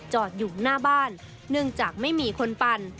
จอดอยู่หน้าบ้านเนื่องจากไม่มีคนปั่น